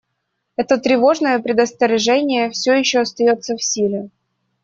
Это тревожное предостережение все еще остается в силе.